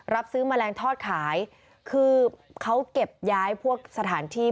รับซื้อแมลงทอดขายคือเขาเก็บย้ายพวกสถานที่